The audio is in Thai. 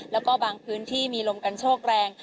แล้วก็บางพื้นที่มีลมกันโชคแรง